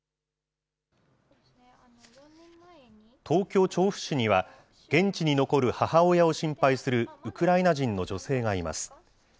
東京・調布市には、現地に残る母親を心配するウクライナ人の女性がいます。